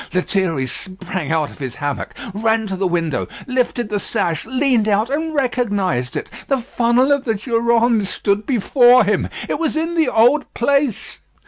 Lethierry sprang out of his hammock, ran to the window, lifted the sash, leaned out, and recognised it. The funnel of the Durande stood before him. It was in the old place.